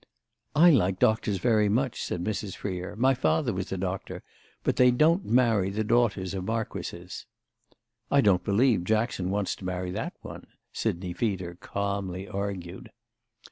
"I like doctors very much," said Mrs. Freer; "my father was a doctor. But they don't marry the daughters of marquises." "I don't believe Jackson wants to marry that one," Sidney Feeder calmly argued.